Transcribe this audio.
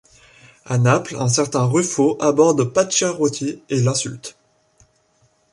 A Naples, un certain Ruffo aborde Pacchiarotti et l’insulte.